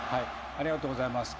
ありがとうございます。